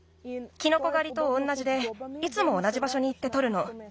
キノコがりとおんなじでいつもおなじばしょにいってとるの。